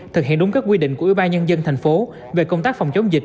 thực hiện đúng các quy định của ủy ban nhân dân thành phố về công tác phòng chống dịch